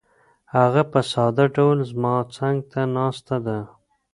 هغه په ساده ډول زما څنګ ته ناسته ده.